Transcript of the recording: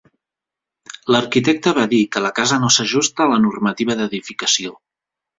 L'arquitecte va dir que la casa no s'ajusta a la normativa d'edificació.